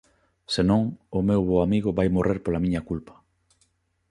Se non, o meu bo amigo vai morrer pola miña culpa.